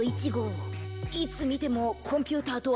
いつ見てもコンピューターとは思えんのう。